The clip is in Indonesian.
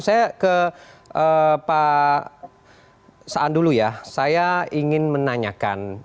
saya ke pak saan dulu ya saya ingin menanyakan